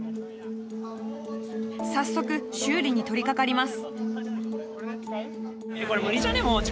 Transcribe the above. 早速修理に取りかかります。